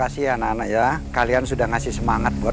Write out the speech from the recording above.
alhamdulillah nah gitu dong mbah